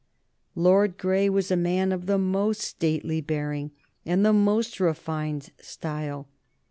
Lord Grey was a man of the most stately bearing and the most refined style.